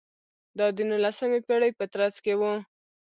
دا د نولسمې پېړۍ په ترڅ کې و.